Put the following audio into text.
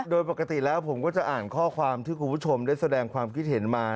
โดยปกติแล้วผมก็จะอ่านข้อความที่คุณผู้ชมได้แสดงความคิดเห็นมา